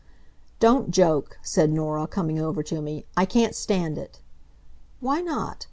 "Don't joke," said Norah, coming over to me, "I can't stand it." "Why not?